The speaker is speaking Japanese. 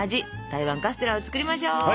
台湾カステラを作りましょう。